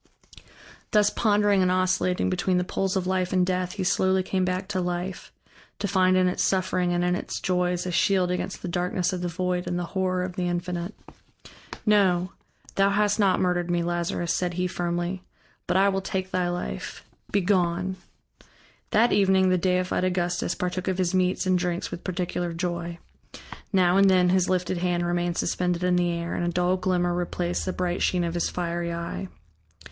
Thus pondering and oscillating between the poles of Life and Death, he slowly came back to life, to find in its suffering and in its joys a shield against the darkness of the void and the horror of the Infinite. "No, thou hast not murdered me, Lazarus," said he firmly, "but I will take thy life. Be gone." That evening the deified Augustus partook of his meats and drinks with particular joy. Now and then his lifted hand remained suspended in the air, and a dull glimmer replaced the bright sheen of his fiery eye.